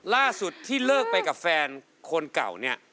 ล่าสุดที่เลิกไปกับแฟนคนเก่าเนี่ย